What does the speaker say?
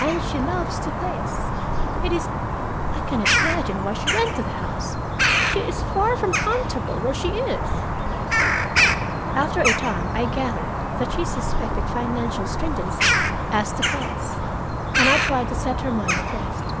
"And she loves the place. It is I cannot imagine why she rented the house. She is far from comfortable where she is." After a time I gathered that she suspected financial stringency as the cause, and I tried to set her mind at rest.